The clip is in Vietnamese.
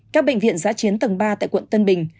các bệnh viện giã chiến tầng ba tại quận tân bình